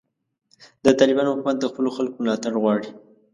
د طالبانو حکومت د خپلو خلکو ملاتړ غواړي.